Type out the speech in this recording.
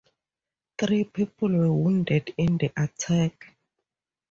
Three people were wounded in the attack.